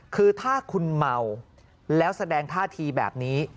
คือถ้าคุณเมาแล้วแสดงท่าทีแบบนี้